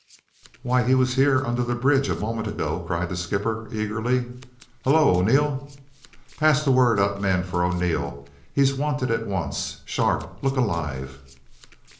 "Why, he was here under the bridge a moment ago," cried the skipper eagerly. "Hullo, O'Neil? Pass the word up, men, for Mr O'Neil. He's wanted at once! Sharp, look alive!"